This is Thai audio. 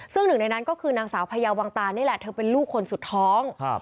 ซึ่งหนึ่งในนั้นก็คือนางสาวพญาวังตานี่แหละเธอเป็นลูกคนสุดท้องครับ